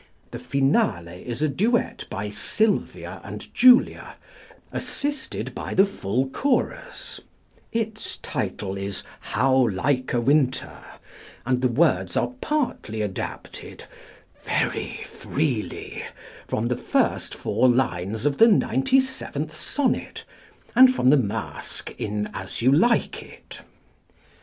The finale is a duet by Sylvia and Julia, assisted by the full chorus: its title is "How like a winter," and the words are partly adapted, very freely, from the first four lines of the 97th Sonnet, and from the masque in As You Like It.